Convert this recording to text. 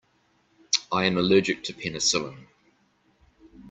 I am allergic to penicillin.